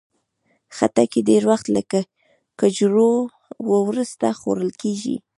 خټکی ډېر وخت له کجورو وروسته خوړل کېږي.